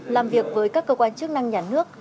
làm việc với các cơ quan chức năng nhà nước